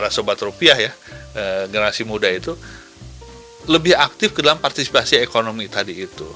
sobat rupiah ya generasi muda itu lebih aktif ke dalam partisipasi ekonomi tadi itu